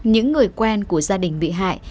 những người quen của gia đình bị hại